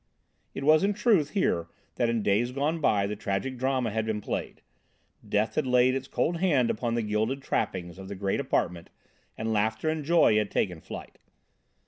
It was in truth here that in days gone by the tragic drama had been played: death had laid its cold hand upon the gilded trappings of the great apartment and laughter and joy had taken flight.